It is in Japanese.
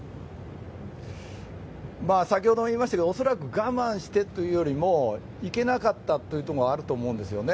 先ほども言いましたが恐らく我慢してというよりも行けなかったというのもあると思うんですよね。